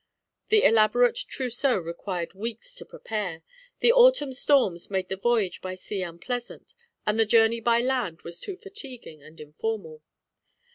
The elaborate trousseau required weeks to prepare, the autumn storms made the voyage by sea unpleasant, and the journey by land was too fatiguing and informal.